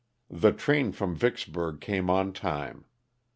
The train from Vicksburg came on time.